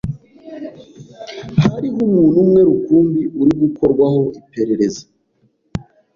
Hariho umuntu umwe rukumbi uri gukorwaho iperereza.